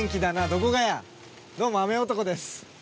どうも雨男です。